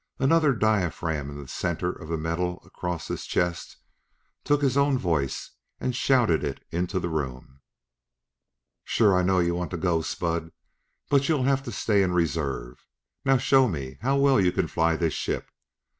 Another diaphragm in the center of the metal across his chest took his own voice and shouted it into the room. "Sure, I know you want to go. Spud; but you'll have to stay in reserve. Now show me how well you can fly the ship.